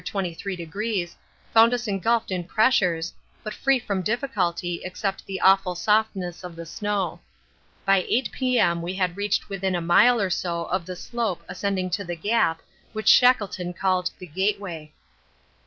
23°) found us engulfed in pressures, but free from difficulty except the awful softness of the snow. By 8 P.M. we had reached within a mile or so of the slope ascending to the gap which Shackleton called the Gateway.